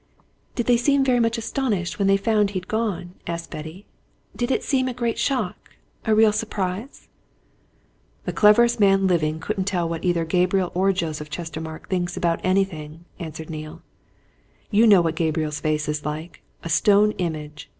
"Did they seem very much astonished when they found he'd gone?" asked Betty. "Did it seem a great shock, a real surprise?" "The cleverest man living couldn't tell what either Gabriel or Joseph Chestermarke thinks about anything," answered Neale. "You know what Gabriel's face is like a stone image!